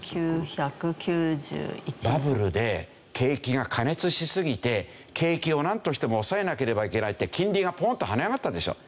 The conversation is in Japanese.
バブルで景気が過熱しすぎて景気をなんとしても抑えなければいけないって金利がポンと跳ね上がったでしょ。